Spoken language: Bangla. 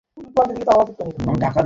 ভয়েস এনহ্যান্সার স্প্রে ব্যবহার করেছিস?